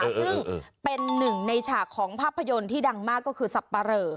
ซึ่งเป็นหนึ่งในฉากของภาพยนตร์ที่ดังมากก็คือสับปะเรอ